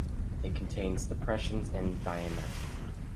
It contains depressions in diameter.